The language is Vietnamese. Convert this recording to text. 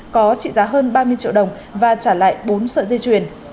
có trị giá hơn ba mươi triệu đồng và trả lại bốn sợi dây chuyền